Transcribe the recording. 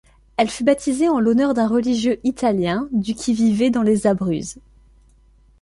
Elle fut baptisée en l'honneur d'un religieux italien du qui vivait dans les Abruzzes.